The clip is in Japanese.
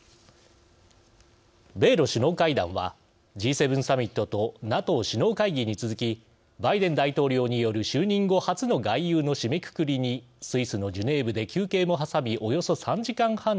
米ロ首脳会談はＧ７サミットとＮＡＴＯ首脳会議に続きバイデン大統領による就任後初の外遊の締めくくりにスイスのジュネーブで休憩も挟みおよそ３時間半に及びました。